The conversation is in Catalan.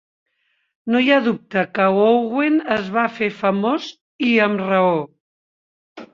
No hi ha dubte que Owen es va fer famós, i amb raó.